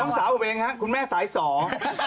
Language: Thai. ล้มสาวเหล่อนี้นะครับคุณแม่บ้านสอง